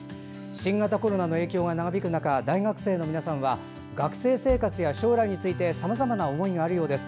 新型コロナの影響が長引く中大学生の皆さんは学生生活や将来についてさまざまな思いがあるようです。